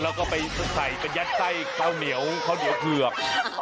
แล้วก็ไปใส่ไปยัดใส่ข้าวเหนียวเผือก